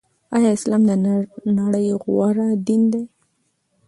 آيا اسلام دنړۍ غوره دين دې